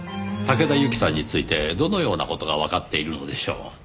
竹田ユキさんについてどのような事がわかっているのでしょう？